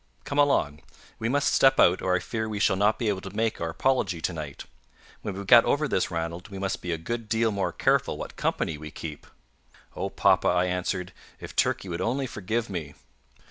Come along. We must step out, or I fear we shall not be able to make our apology to night. When we've got over this, Ranald, we must be a good deal more careful what company we keep." "Oh, papa," I answered, "if Turkey would only forgive me!"